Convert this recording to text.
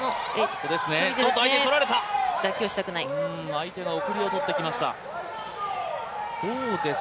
相手が奥襟を取ってきました。